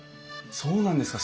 そうなんですか。